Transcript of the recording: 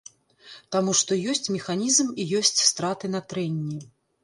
Таму што ёсць механізм і ёсць страты на трэнні.